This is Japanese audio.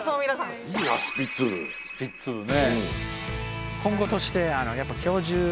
スピッツ部ね。